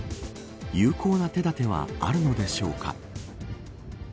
有効な手だてはあるのでしょうか。